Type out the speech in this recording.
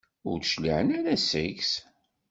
Ur d-cliɛen ara seg-s?